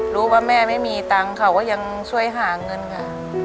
แม่ไม่มีตังค์เขาก็ยังช่วยหาเงินค่ะ